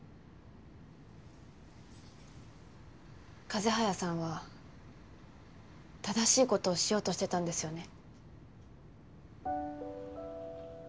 風早さんは正しいことをしようとしてたんですよね？